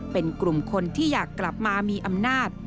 เป็นกลุ่มคนที่อยากกลับมามีอำนาจ